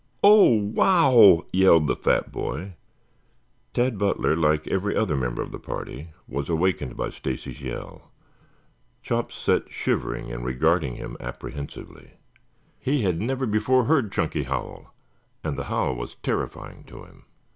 "Oh, wow!" yelled the fat boy. Tad Butler, like every other member of the party, was awakened by Stacy's yell. Chops sat shivering and regarding him apprehensively. He had never before heard Chunky howl, and the howl was terrifying to him.